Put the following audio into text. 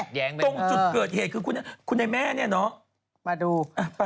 ตรงจุดเกิดเหตุคือคุณไอ้แม่เนี่ยเนาะ